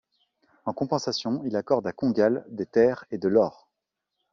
En compensation il accorde à Congal des terres et de l'or.